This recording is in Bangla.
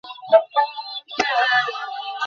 হ্যালো, ছেলেরা!